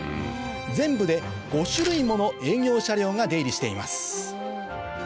全部で５種類もの営業車両が出入りしています